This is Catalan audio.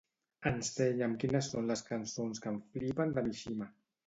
Ensenya'm quines són les cançons que em flipen de Mishima.